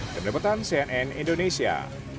demi demi tkp cnn indonesia